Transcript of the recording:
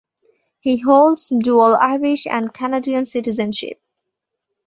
He holds dual Irish and Canadian citizenship.